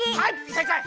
せいかい！